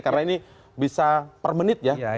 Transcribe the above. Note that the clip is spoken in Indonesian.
karena ini bisa per menit ya